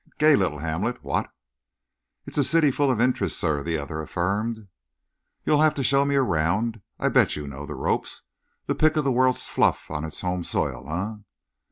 "Gay little hamlet, what?" "It's a city full of interest, sir," the other affirmed. "You'll have to show me around. I bet you know the ropes. The pick of the world's fluff on its home soil, eh?"